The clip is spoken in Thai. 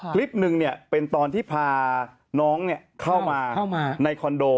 คลิปหนึ่งเนี่ยเป็นตอนที่พาน้องเนี่ยเข้ามาเข้ามาในคอนโด